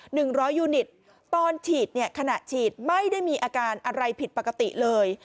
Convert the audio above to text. หนึ่งร้อยยูนิตตอนฉีดเนี่ยขณะฉีดไม่ได้มีอาการอะไรผิดปกติเลย